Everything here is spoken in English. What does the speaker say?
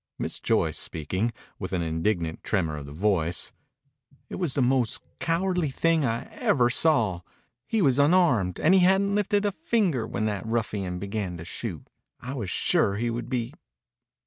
Miss Joyce speaking, with an indignant tremor of the voice: "It was the most cowardly thing I ever saw. He was unarmed, and he hadn't lifted a finger when that ruffian began to shoot. I was sure he would be